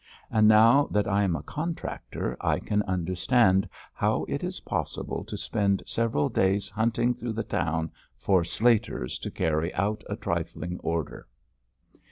And now that I am a contractor I can understand how it is possible to spend several days hunting through the town for slaters to carry out a trifling order.